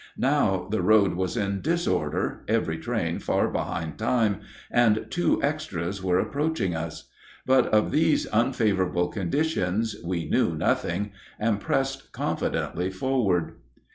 Now the road was in disorder, every train far behind time, and two "extras" were approaching us. But of these unfavorable conditions we knew nothing, and pressed confidently forward.